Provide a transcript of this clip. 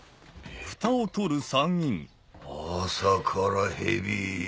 朝からヘビー。